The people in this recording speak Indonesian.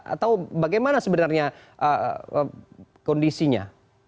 atau bagaimana sebenarnya kondisinya